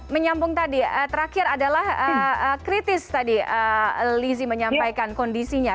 menyambung tadi terakhir adalah kritis tadi lizzie menyampaikan kondisinya